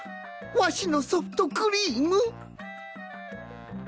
わしのソフトクリーム！